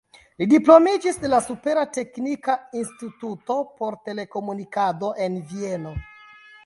Li diplomiĝis de la Supera Teknika Instituto por Telekomunikado en Vieno.